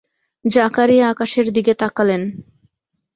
জাকারিয়া আকাশের দিকে তাকালেন।